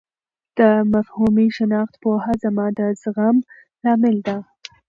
د مفهومي شناخت پوهه زما د زغم لامل ده.